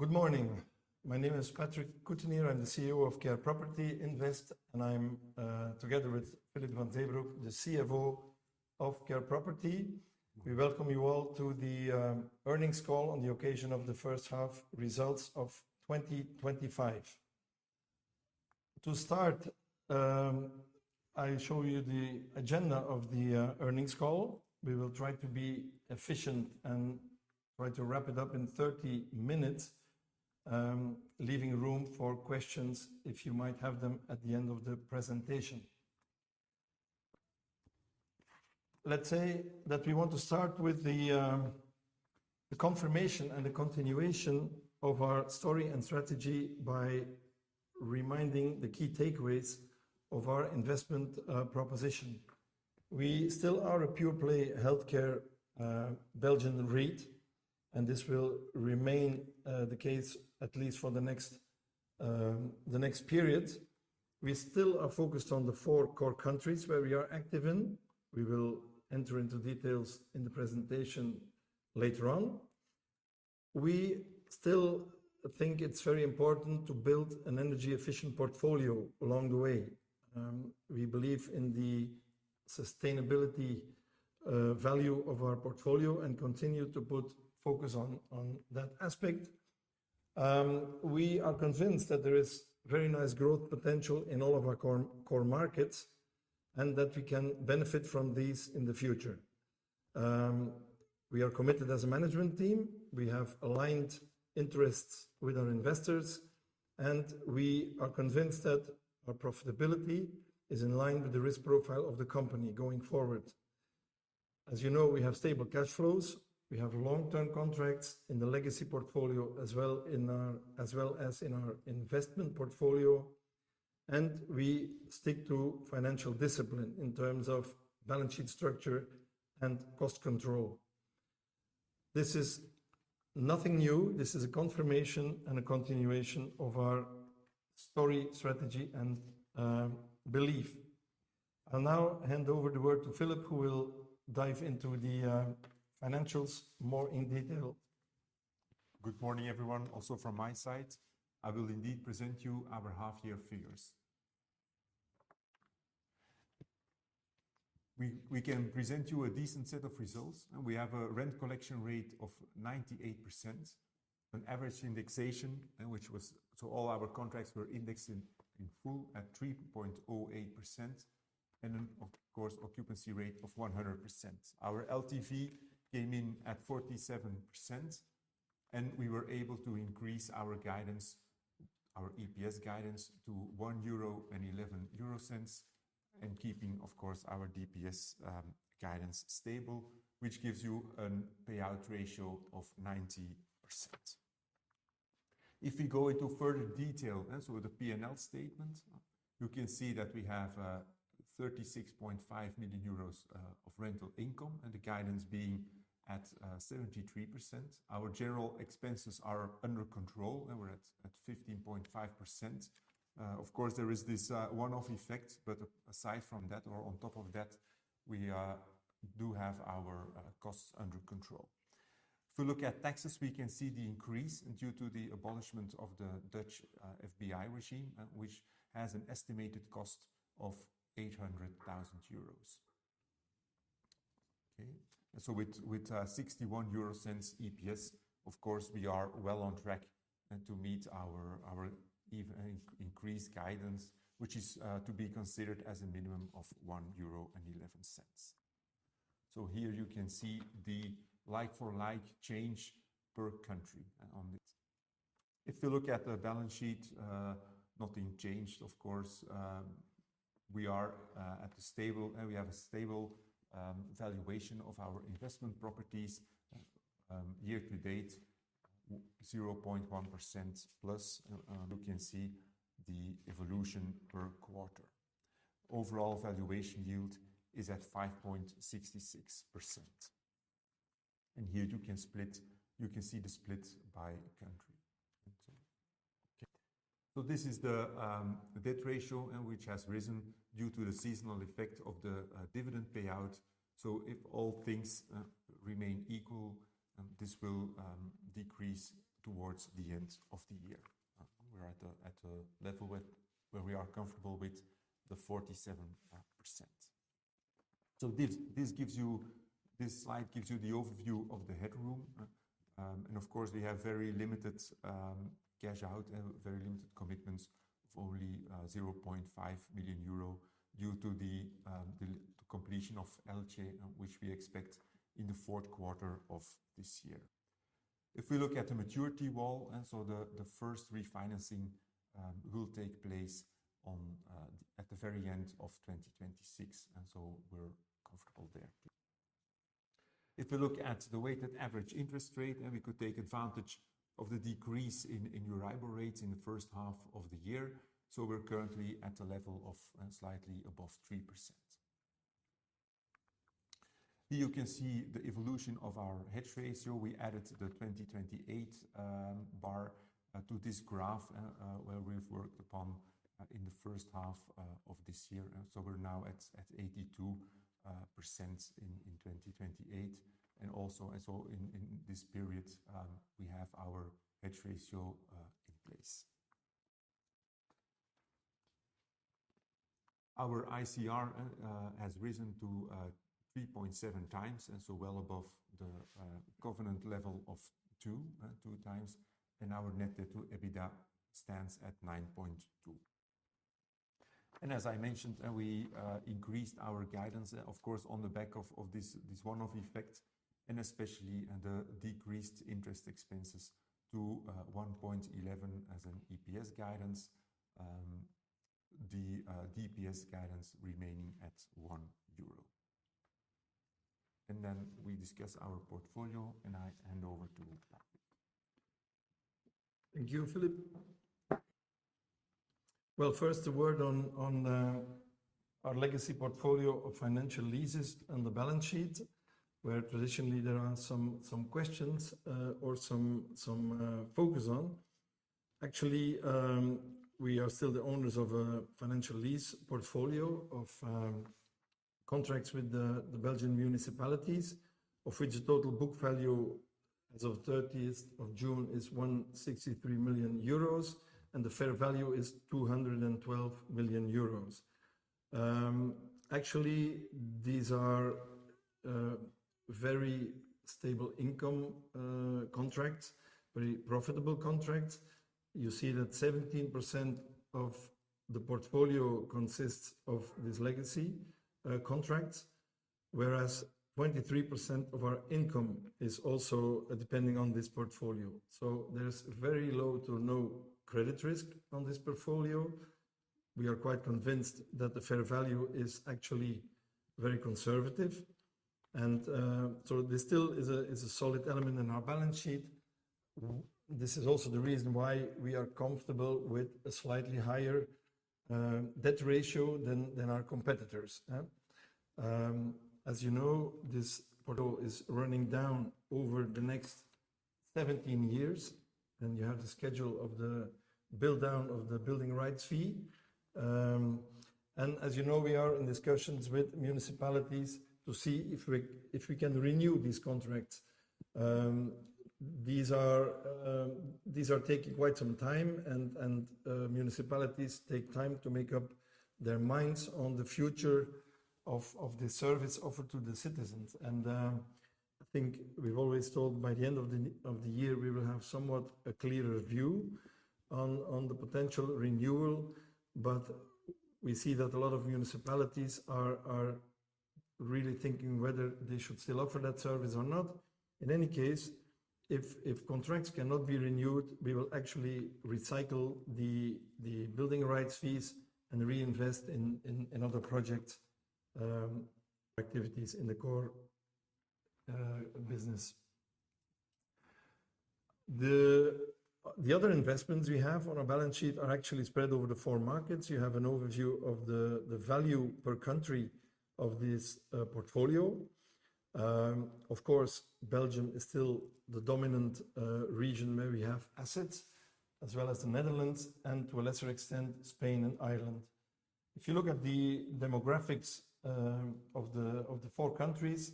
Good morning. My name is Patrick Couttenier. I'm the CEO of Care Property Invest, and I'm together with Filip Van Zeebroeck, the CFO of Care Property. We welcome you all to the Earnings Call on the Occasion of the First-half Results of 2025. To start, I'll show you the agenda of the earnings call. We will try to be efficient and try to wrap it up in 30 minutes, leaving room for questions if you might have them at the end of the presentation. Let's say that we want to start with the confirmation and the continuation of our story and strategy by reminding the key takeaways of our investment proposition. We still are a pure-play healthcare Belgian REIT, and this will remain the case at least for the next period. We still are focused on the four core countries where we are active in. We will enter into details in the presentation later on. We still think it's very important to build an energy-efficient portfolio along the way. We believe in the sustainability value of our portfolio and continue to put focus on that aspect. We are convinced that there is very nice growth potential in all of our core markets and that we can benefit from these in the future. We are committed as a management team. We have aligned interests with our investors, and we are convinced that our profitability is in line with the risk profile of the company going forward. As you know, we have stable cash flows. We have long-term contracts in the legacy portfolio as well as in our investment portfolio, and we stick to financial discipline in terms of balance sheet structure and cost control. This is nothing new. This is a confirmation and a continuation of our story, strategy, and belief. I'll now hand over the word to Filip, who will dive into the financials more in detail. Good morning, everyone. Also from my side, I will indeed present you our half-year figures. We can present you a decent set of results, and we have a rent collection rate of 98%, an average indexation, which was so all our contracts were indexed in full at 3.08%, and then, of course, occupancy rate of 100%. Our LTV came in at 47%, and we were able to increase our guidance, our EPS guidance to 1.11 euro and keeping of course our DPS guidance stable, which gives you a payout ratio of 90%. If we go into further detail, and so with the P&L statement, you can see that we have 36.5 million euros of rental income and the guidance being at 73%. Our general expenses are under control, and we're at 15.5%. Of course, there is this one-off effect, but aside from that, or on top of that, we do have our costs under control. If we look at taxes, we can see the increase due to the abolishment of the Dutch FBI regime, which has an estimated cost of 800,000 euros. Okay, and so with 61 euro EPS, of course, we are well on track to meet our even increased guidance, which is to be considered as a minimum of 1.11 euro. So here you can see the like-for-like change per country on it. If you look at the balance sheet, nothing changed, of course. We have a stable valuation of our investment properties, year to date, 0.1% plus. You can see the evolution per quarter. Overall valuation yield is at 5.66%. And here you can split, you can see the split by country. Okay. So this is the debt ratio, which has risen due to the seasonal effect of the dividend payout. So if all things remain equal, this will decrease towards the end of the year. We're at a level where we are comfortable with the 47%. So this gives you the overview of the headroom. And of course, we have very limited cash out and very limited commitments of only 0.5 million euro due to the completion of LJ, which we expect in the Q4 of this year. If we look at the maturity wall, and so the first refinancing will take place at the very end of 2026. And so we're comfortable there. If we look at the weighted average interest rate and we could take advantage of the decrease in Euribor rates in the H1 of the year, so we're currently at a level of slightly above 3%. Here you can see the evolution of our hedge ratio. We added the 2028 bar to this graph, where we've worked upon in the H1 of this year. And so we're now at 82% in 2028. And so in this period we have our hedge ratio in place. Our ICR has risen to 3.7 times, and so well above the covenant level of two times. And our net debt to EBITDA stands at 9.2. As I mentioned, we increased our guidance, of course, on the back of this one-off effect, and especially the decreased interest expenses to 1.11 as an EPS guidance, the DPS guidance remaining at 1 euro. We discuss our portfolio, and I hand over to Patrick. Thank you, Filip. First, the word on our legacy portfolio of financial leases and the balance sheet, where traditionally there are some focus on. Actually, we are still the owners of a financial lease portfolio of contracts with the Belgian municipalities, of which the total book value as of 30th of June is 163 million euros, and the fair value is 212 million euros. Actually, these are very stable income contracts, very profitable contracts. You see that 17% of the portfolio consists of this legacy contracts, whereas 23% of our income is also depending on this portfolio. So there's very low to no credit risk on this portfolio. We are quite convinced that the fair value is actually very conservative. And, so this still is a solid element in our balance sheet. This is also the reason why we are comfortable with a slightly higher debt ratio than our competitors. As you know, this portfolio is running down over the next 17 years, and you have the schedule of the build down of the building rights fee. And as you know, we are in discussions with municipalities to see if we can renew these contracts. These are taking quite some time, and municipalities take time to make up their minds on the future of the service offered to the citizens. I think we've always told by the end of the year, we will have somewhat a clearer view on the potential renewal. But we see that a lot of municipalities are really thinking whether they should still offer that service or not. In any case, if contracts cannot be renewed, we will actually recycle the building rights fees and reinvest in other projects, activities in the core business. The other investments we have on our balance sheet are actually spread over the four markets. You have an overview of the value per country of this portfolio. Of course, Belgium is still the dominant region where we have assets, as well as the Netherlands, and to a lesser extent, Spain and Ireland. If you look at the demographics of the four countries,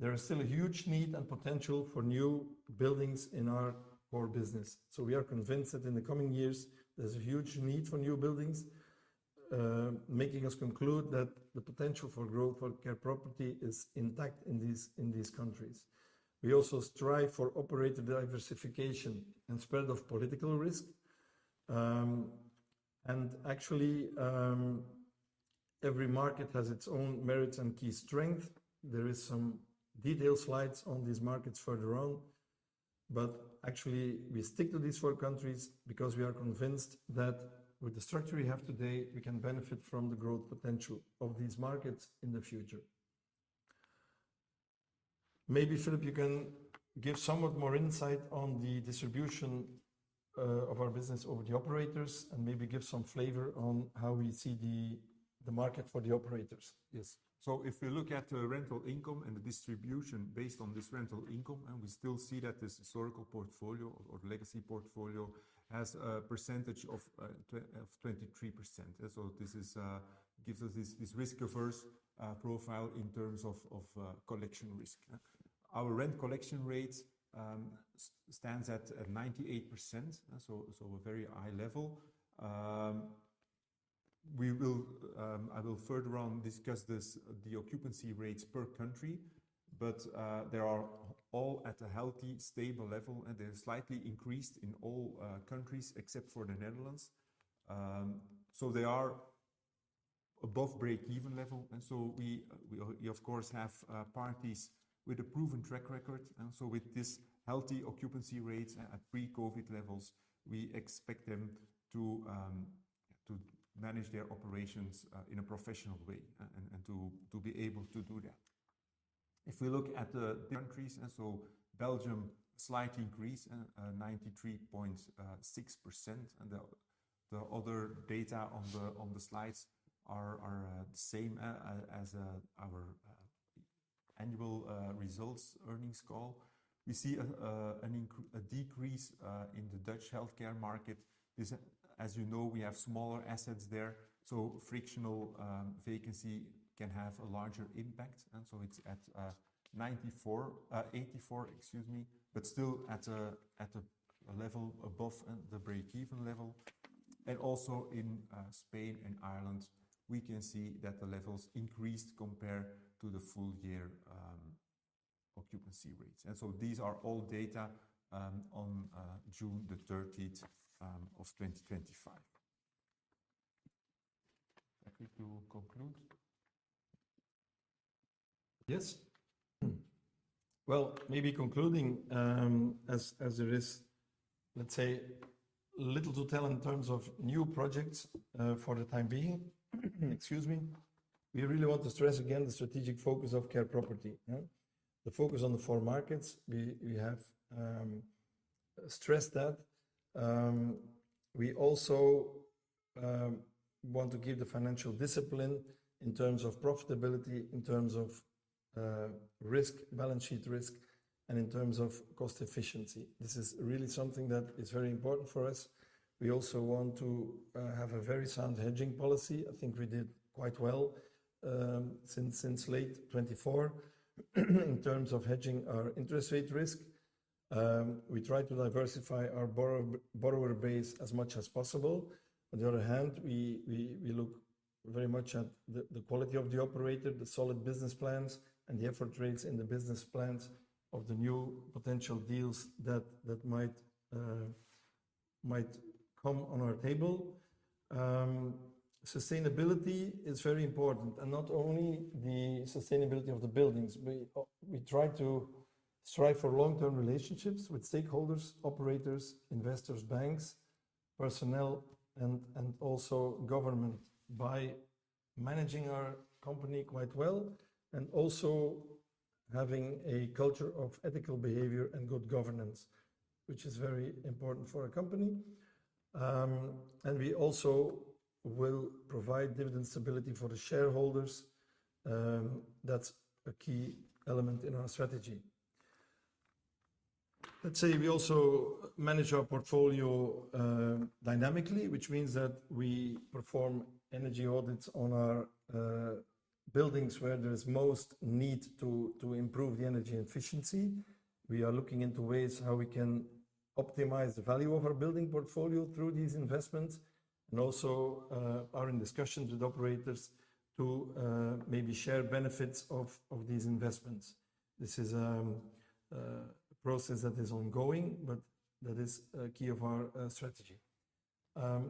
there is still a huge need and potential for new buildings in our core business. So we are convinced that in the coming years, there's a huge need for new buildings, making us conclude that the potential for growth for Care Property is intact in these countries. We also strive for operator diversification and spread of political risk, and actually, every market has its own merits and key strength. There are some detailed slides on these markets further on, but actually, we stick to these four countries because we are convinced that with the structure we have today, we can benefit from the growth potential of these markets in the future. Maybe, Filip, you can give somewhat more insight on the distribution of our business over the operators and maybe give some flavor on how we see the market for the operators. Yes. So if we look at rental income and the distribution based on this rental income, and we still see that this historical portfolio or legacy portfolio has a percentage of 23%. And so this gives us this risk averse profile in terms of collection risk. Our rent collection rates stands at 98%. So a very high level. I will further discuss the occupancy rates per country, but they are all at a healthy, stable level, and they're slightly increased in all countries except for the Netherlands. So they are above break-even level. And so we of course have parties with a proven track record. And so with this healthy occupancy rates at pre-COVID levels, we expect them to manage their operations in a professional way and to be able to do that. If we look at the countries, Belgium slightly increased 93.6%. And the other data on the slides are the same as our annual results earnings call. We see a decrease in the Dutch healthcare market. This, as you know, we have smaller assets there. So frictional vacancy can have a larger impact. And so it's at 84%, excuse me, but still at a level above the break-even level. And also in Spain and Ireland, we can see that the levels increased compared to the full-year occupancy rates. And so these are all data on June the 30th of 2025. I think to conclude. Yes. Maybe concluding, as there is, let's say, little to tell in terms of new projects, for the time being. Excuse me, we really want to stress again the strategic focus of Care Property. The focus on the four markets. We have stressed that. We also want to give the financial discipline in terms of profitability, in terms of risk, balance sheet risk, and in terms of cost efficiency. This is really something that is very important for us. We also want to have a very sound hedging policy. I think we did quite well, since late 2024 in terms of hedging our interest rate risk. We try to diversify our borrower base as much as possible. On the other hand, we look very much at the quality of the operator, the solid business plans, and the effort rates in the business plans of the new potential deals that might come on our table. Sustainability is very important, and not only the sustainability of the buildings. We try to strive for long-term relationships with stakeholders, operators, investors, banks, personnel, and also government by managing our company quite well and also having a culture of ethical behavior and good governance, which is very important for our company, and we also will provide dividend stability for the shareholders. That's a key element in our strategy. Let's say we also manage our portfolio dynamically, which means that we perform energy audits on our buildings where there's most need to improve the energy efficiency. We are looking into ways how we can optimize the value of our building portfolio through these investments and also are in discussions with operators to maybe share benefits of these investments. This is a process that is ongoing, but that is a key of our strategy.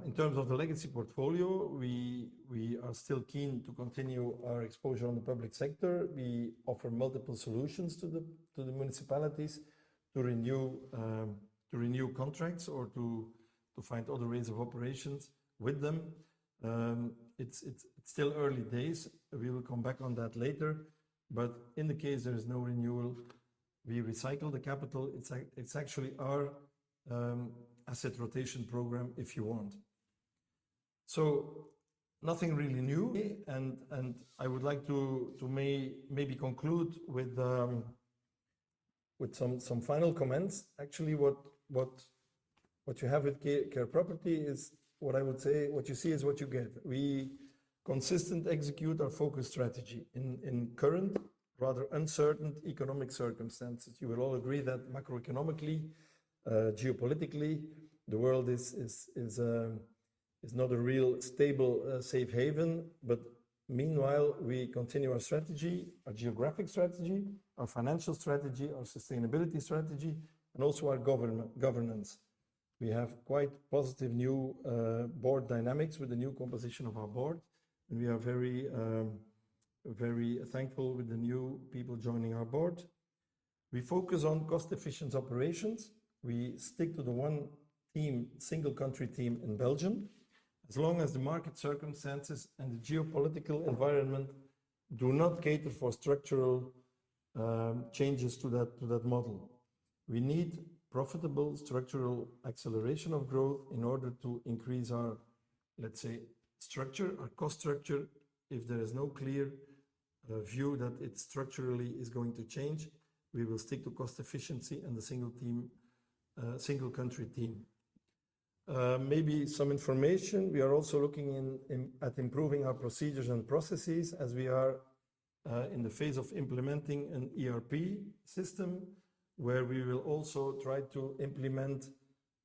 In terms of the legacy portfolio, we are still keen to continue our exposure on the public sector. We offer multiple solutions to the municipalities to renew contracts or to find other ways of operations with them. It's still early days. We will come back on that later, but in the case there is no renewal, we recycle the capital. It's actually our asset rotation program, if you want, so nothing really new, and I would like to maybe conclude with some final comments. Actually, what you have with Care Property is what I would say, what you see is what you get. We consistently execute our focus strategy in current, rather uncertain economic circumstances. You will all agree that macroeconomically, geopolitically, the world is not a real stable, safe haven. But meanwhile, we continue our strategy, our geographic strategy, our financial strategy, our sustainability strategy, and also our corporate governance. We have quite positive new board dynamics with the new composition of our board. And we are very, very thankful with the new people joining our board. We focus on cost efficiency operations. We stick to the one team, single country team in Belgium. As long as the market circumstances and the geopolitical environment do not cater for structural changes to that model, we need profitable structural acceleration of growth in order to increase our, let's say, structure, our cost structure. If there is no clear view that it structurally is going to change, we will stick to cost efficiency and the single team, single country team. Maybe some information. We are also looking into improving our procedures and processes as we are in the phase of implementing an ERP system where we will also try to implement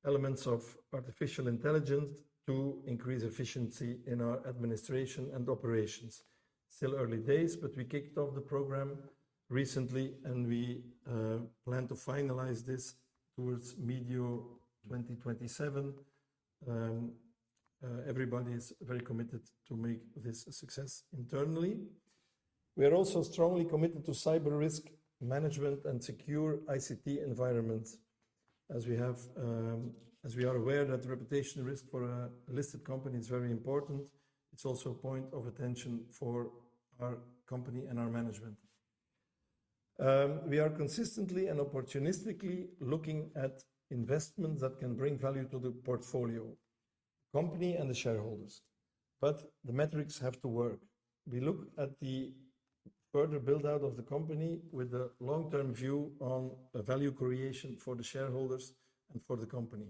elements of artificial intelligence to increase efficiency in our administration and operations. Still early days, but we kicked off the program recently and we plan to finalize this towards mid-year 2027. Everybody is very committed to make this a success internally. We are also strongly committed to cyber risk management and secure ICT environments as we have, as we are aware that reputation risk for a listed company is very important. It's also a point of attention for our company and our management. We are consistently and opportunistically looking at investments that can bring value to the portfolio, the company and the shareholders. But the metrics have to work. We look at the further build out of the company with the long-term view on a value creation for the shareholders and for the company,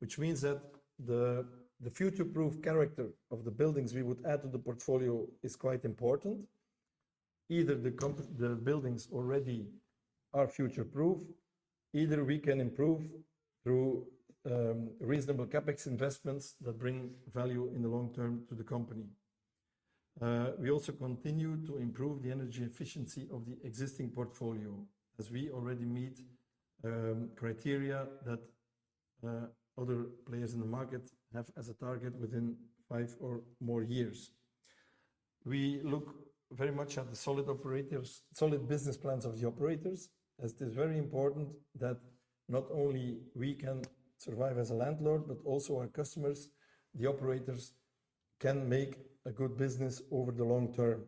which means that the, the future proof character of the buildings we would add to the portfolio is quite important. Either the company, the buildings already are future proof, either we can improve through, reasonable CapEx investments that bring value in the long term to the company. We also continue to improve the energy efficiency of the existing portfolio as we already meet criteria that other players in the market have as a target within five or more years. We look very much at the solid operators, solid business plans of the operators, as it is very important that not only we can survive as a landlord, but also our customers, the operators can make a good business over the long term.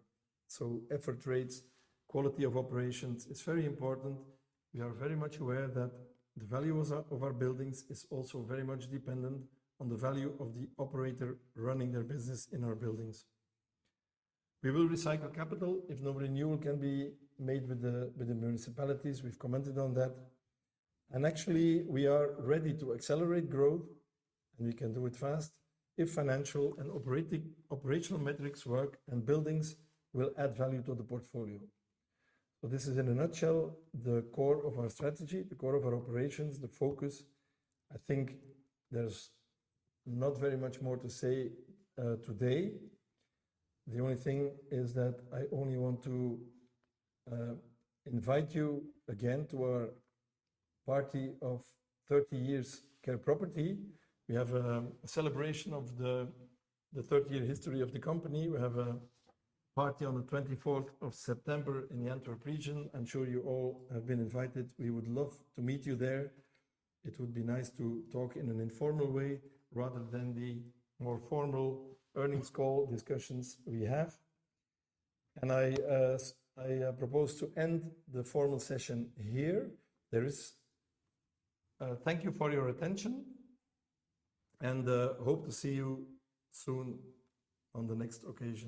So effort rates, quality of operations is very important. We are very much aware that the value of our buildings is also very much dependent on the value of the operator running their business in our buildings. We will recycle capital if no renewal can be made with the municipalities. We've commented on that. And actually, we are ready to accelerate growth and we can do it fast if financial and operational metrics work and buildings will add value to the portfolio. So this is in a nutshell, the core of our strategy, the core of our operations, the focus. I think there's not very much more to say, today. The only thing is that I only want to invite you again to our party of 30 years Care Property. We have a celebration of the 30-year history of the company. We have a party on the 24th of September in the Antwerp region. I'm sure you all have been invited. We would love to meet you there. It would be nice to talk in an informal way rather than the more formal earnings call discussions we have. And I propose to end the formal session here. Thank you for your attention and hope to see you soon on the next occasion.